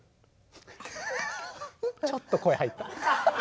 ちょっと声入った。